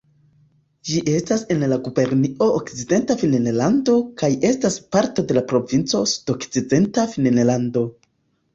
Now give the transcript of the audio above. Ĝi estas en la gubernio Okcidenta Finnlando kaj estas parto de provinco Sudokcidenta Finnlando.